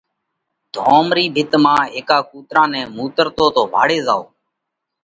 ڌوم رِي ڀِت مانه هيڪا ڪُوترا نئہ مُوترتو تو ڀاۯي زائوه